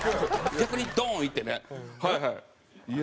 逆にドーンいってねはいはい。